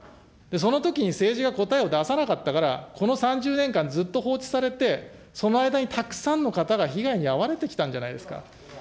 そのときに政治が答えを出さなかったから、この３０年間ずっと放置されて、その間にたくさんの方が被害に遭われてきたんじゃないですか。